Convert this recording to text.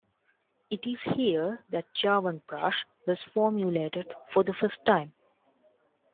It is here that Chyawanprash was formulated for the first time.